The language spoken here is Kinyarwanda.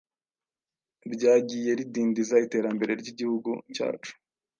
ryagiye ridindiza iterambere ry’Igihugu cyacu.